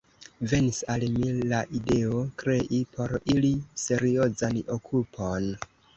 Venis al mi la ideo, krei por ili seriozan okupon.